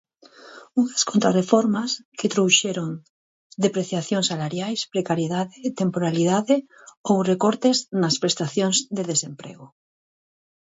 Unhas contrarreformas que trouxeron depreciacións salariais, precariedade, temporalidade ou recortes nas prestacións de desemprego.